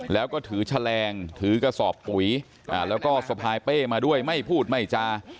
แล้วก็ถือแฉลงถือกระสอบปุ๋ยแล้วก็สะพายเป้มาด้วยไม่พูดไม่จา